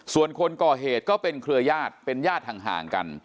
ส่วนคนก่อเหตุก็เป็นเครือญาติเป็นญาติห่างกัน